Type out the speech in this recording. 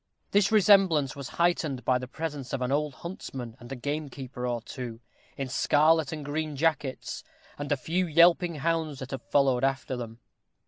This resemblance was heightened by the presence of an old huntsman and a gamekeeper or two, in scarlet and green jackets, and a few yelping hounds that had followed after them.